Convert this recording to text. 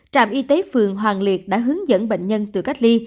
trạm y tế phường hoàng liệt đã hướng dẫn bệnh nhân tự cách ly